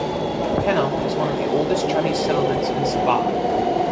Tenom is one of the oldest Chinese settlements in Sabah.